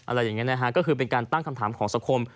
อะไรอย่างนี้นะฮะก็คือเป็นการตั้งคำถามของสังคม